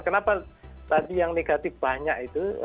kenapa tadi yang negatif banyak itu